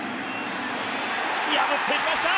破っていきました！